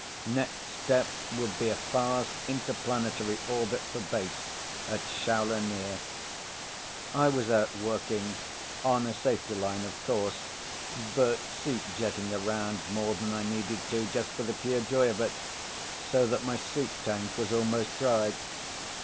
Next step would be a fast interplanetary orbit for Base at Shaula near. I was out working—on a safety line of course, but suit jetting around more than I needed to, just for the pure joy of it, so that my suit tank was almost dry.